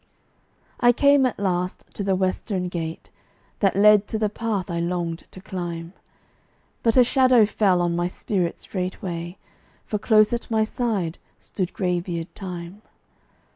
I came at last to the western gateway, That led to the path I longed to climb; But a shadow fell on my spirit straightway, For close at my side stood gray beard Time.